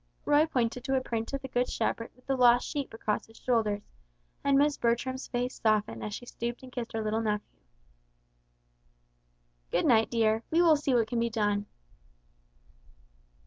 Roy pointed to a print of the Good Shepherd with the lost sheep across his shoulders, and Miss Bertram's face softened as she stooped and kissed her little nephew. "Good night dear. We will see what can be done."